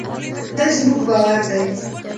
دا زموږ باور دی.